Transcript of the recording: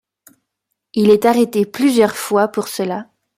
Il est arrêté plusieurs fois pour cela.